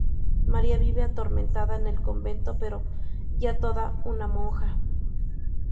María vive atormentada en el convento, pero ya toda una monja.